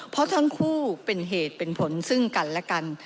เพราะทั้งคู่เป็นเหตุเป็นผลซึ่งกันและกัน